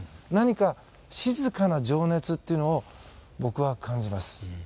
何か、静かな情熱を僕は感じます。